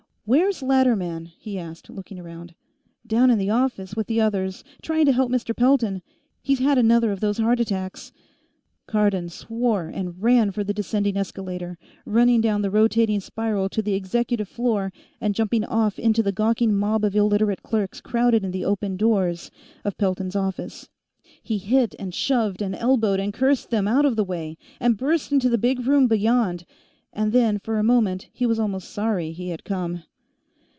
"Where's Latterman?" he asked, looking around. "Down in the office, with the others, trying to help Mr. Pelton. He's had another of those heart attacks " Cardon swore and ran for the descending escalator, running down the rotating spiral to the executive floor and jumping off into the gawking mob of Illiterate clerks crowded in the open doors of Pelton's office. He hit and shoved and elbowed and cursed them out of the way, and burst into the big room beyond, and then, for a moment, he was almost sorry he had come.